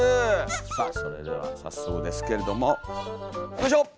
さあそれでは早速ですけれどもよいしょ！